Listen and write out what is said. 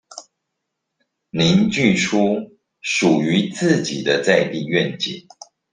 凝聚出屬於自己的在地願景